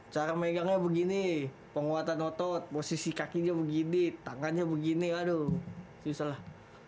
cara megangnya begini penguatan otot posisi kakinya begini tangannya begini aduh susah lah